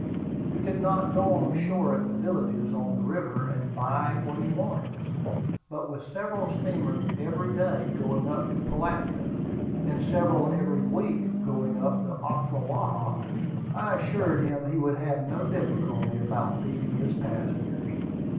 He could not go on shore at the villages on the river, and buy what he wanted; but with several steamers every day going up to Pilatka, and several every week going up the Ocklawaha, I assured him he would have no difficulty about feeding his passengers.